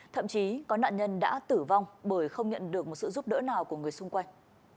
thậm chí có nạn nhân đã tử vong bởi không nhận được một sự giúp đỡ nào của người xung quanh